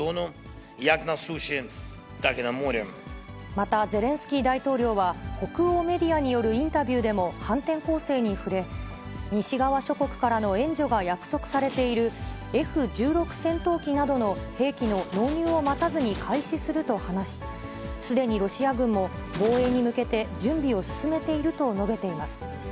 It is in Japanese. また、ゼレンスキー大統領は北欧メディアによるインタビューでも反転攻勢に触れ、西側諸国からの援助が約束されている、Ｆ１６戦闘機などの兵器の納入を待たずに開始すると話し、すでにロシア軍も防衛に向けて準備を進めていると述べています。